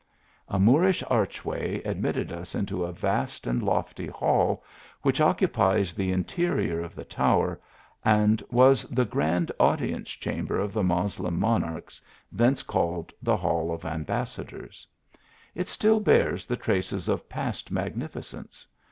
A Moorish arch way admitted us into a vast and lofty hall, which occupies the interior of the tower, and was the grand audience chamber of the Moslem monarchs, thence called the hall of Ambassadors. It still bears the traces of past magnificence.